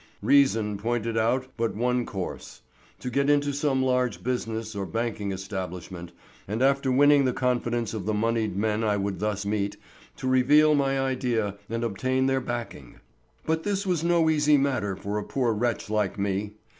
Reason pointed out but one course. To get into some large business or banking establishment, and after winning the confidence of the moneyed men I would thus meet, to reveal my idea and obtain their backing. But this was no easy matter for a poor wretch like me.